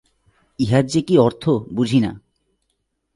ইহার যে কি অর্থ, বুঝি না।